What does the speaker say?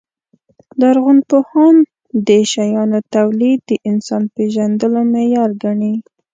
لرغونپوهان د شیانو تولید د انسان پېژندلو معیار ګڼي.